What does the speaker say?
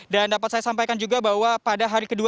dan dapat saya sampaikan juga bahwa pada hari kedua